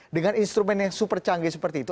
dengan instrumen yang super canggih seperti itu